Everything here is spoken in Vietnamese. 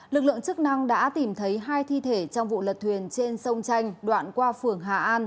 lực lượng chức năng đã tìm thấy hai thi thể trong vụ lật thuyền trên sông chanh đoạn qua phường hà an